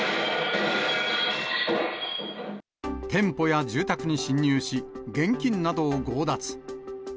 店舗や住宅に侵入し、現金などを強奪。